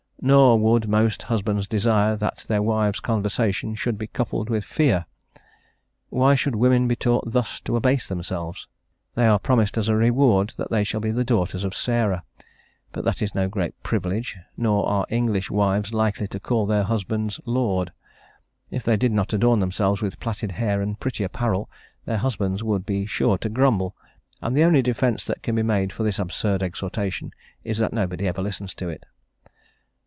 nor would most husbands desire that their wives' conversation should be coupled with fear." Why should women be taught thus to abase themselves? They are promised as a reward that they shall be the daughters of Sarah; but that is no great privilege, nor are English wives likely to call their husbands "lord;" if they did not adorn themselves with plaited hair and pretty apparel, their husbands would be sure to grumble, and the only defence that can be made for this absurd exhortation is that nobody ever listens to it.